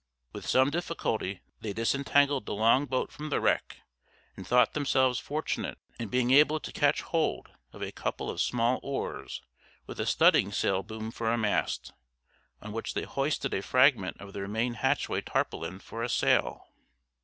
With some difficulty they disentangled the long boat from the wreck, and thought themselves fortunate in being able to catch hold of a couple of small oars, with a studding sail boom for a mast, on which they hoisted a fragment of their main hatchway tarpaulin for a sail.